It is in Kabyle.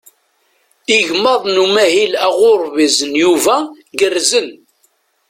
Igmaḍ n umahil aɣurbiz n Yuba gerrzen.